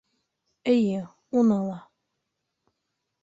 Эйе, уны ла...